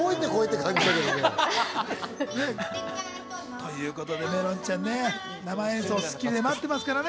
ということで、めろんちゃんね、生演奏『スッキリ』で待ってますからね。